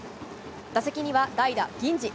打席には代打、銀次。